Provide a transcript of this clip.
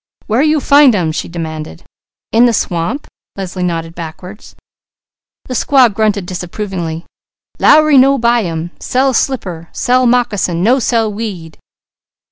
"Where you find 'em?" she demanded. "In the swamp!" Leslie nodded backward. The squaw grunted disapprovingly. "Lowry no buy 'em! Sell slipper! Sell moccasin! No sell weed!"